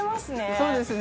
そうですね。